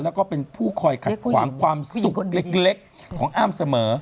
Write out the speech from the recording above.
แล้วก็เป็นผู้คอยขัดขวางความสุขเล็กของอ้ำเสมอ